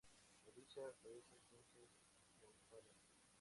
Odisha padece intensos monzones.